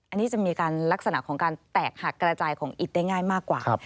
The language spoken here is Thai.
อันนี้จะมีการลักษณะของการแตกหักกระจายของอิดได้ง่ายมากกว่า